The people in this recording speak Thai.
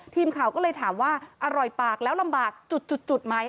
ทีมข่าวก็เลยถามว่าอร่อยปากแล้วลำบากจุดไหม